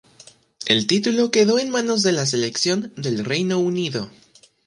El título quedó en manos de la selección del Reino Unido.